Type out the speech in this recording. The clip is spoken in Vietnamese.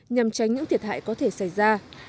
nhằm tránh những thiệt hại có thể xảy ra